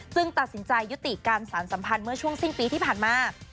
ซึ่งตัดสินใจยุติการสารสัมพันธ์เมื่อช่วงสิ้นปีที่ผ่านมา